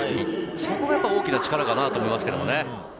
そこが大きな力だなと思いますけどね。